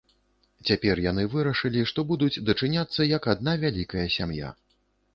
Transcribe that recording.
Цяпер яны вырашылі, што будуць дачыняцца, як адна вялікая сям'я.